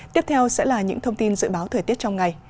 tiếp theo sẽ là những thông tin dự báo thời tiết trong ngày